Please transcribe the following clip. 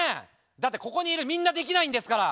だってここにいるみんなできないんですから。